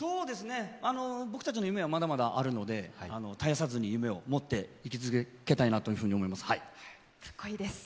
僕たちの夢はまだまだあるので絶やさずに夢をもっていき続けたいなと思います。